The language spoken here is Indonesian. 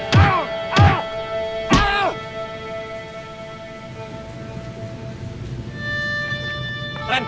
kamu gak mau banget